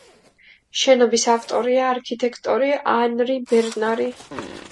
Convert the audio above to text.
შენობის ავტორია არქიტექტორი ანრი ბერნარი.